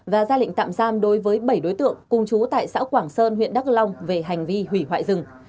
và ra lệnh tạm giam đối với bảy đối tượng cung chú tại xã quảng sơn huyện đắk long về hành vi hủy hoại rừng